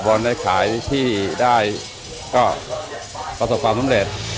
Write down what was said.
ผมบอนแล้วขายที่ได้ก็ความสำเร็จ